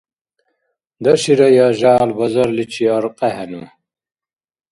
Даширая, жягӀял базарличи аркьехӀену